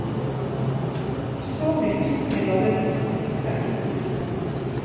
Mçxomi, çkuni ğalepes mtsika iven.